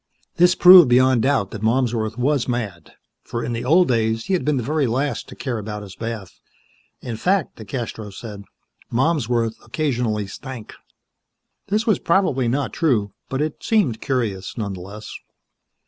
This proved beyond doubt that Malmsworth was mad, for in the old days he had been the very last to care about his bath. In fact, DeCastros said, Malmsworth occasionally stank. This was probably not true, but it seemed curious, nonetheless.